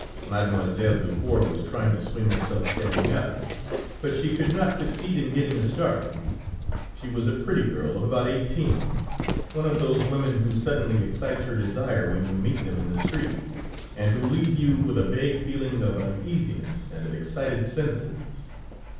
Mademoiselle Dufour was trying to swing herself standing up, but she could not succeed in getting a start. She was a pretty girl of about eighteen; one of those women who suddenly excite your desire when you meet them in the street, and who leave you with a vague feeling of uneasiness, and of excited senses.